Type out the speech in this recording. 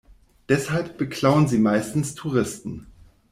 Deshalb beklauen sie meistens Touristen.